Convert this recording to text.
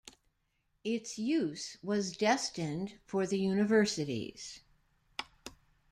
Its use was destined for the universities.